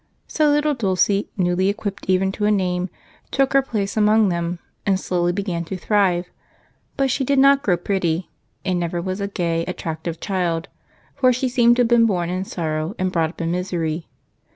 So little Dulce, newly equipped even to a name, took her place among them and slowly began to thrive. But she did not grow pretty and never was a gay, attractive child, for she seemed to have been born in sorrow and brought up in misery.